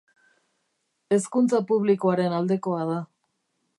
Hezkuntza publikoaren aldekoa da.